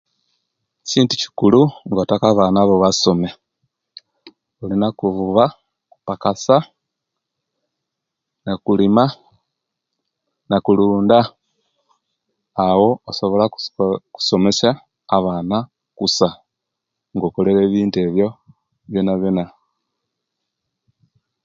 Kintu ekikulu nga otaka abaana bo basome olina okuvunba okupakasa, nakulima, nakulinda awo osobola okuso okusomesa abaana kusa nga okolere ebintu ebyo byonabyona